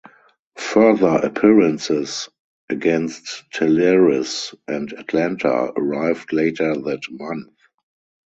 Further appearances against Talleres and Atlanta arrived later that month.